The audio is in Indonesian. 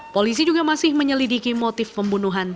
polisi juga masih menyelidiki motif pembunuhan